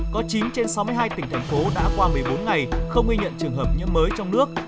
có chín trên sáu mươi hai tỉnh thành phố đã qua một mươi bốn ngày không ghi nhận trường hợp nhiễm mới trong nước